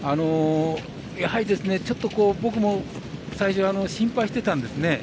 やはり僕も最初心配してたんですね。